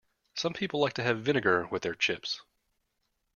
Some people like to have vinegar with their chips